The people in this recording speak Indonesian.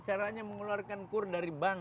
caranya mengeluarkan kur dari bank